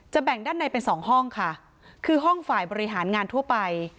แบ่งด้านในเป็นสองห้องค่ะคือห้องฝ่ายบริหารงานทั่วไป